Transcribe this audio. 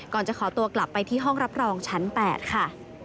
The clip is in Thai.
ก่อนจะขอตัวกลับไปที่ห้องรับรองชั้น๘ค่ะ